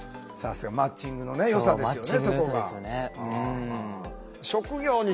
そうマッチングのよさですよね。